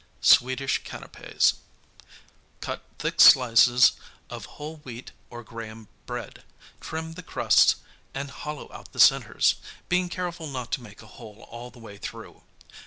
64 Swedish Canapes Cut thick slices of whole wheat or Graham bread, trim the crusts and hollow out the centers, being careful not to make a hole all the way through.